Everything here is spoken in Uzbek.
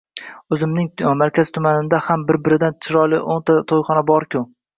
O`zimizning tuman markazida ham bir-biridan chiroyli o`nta to`yxona bor-ku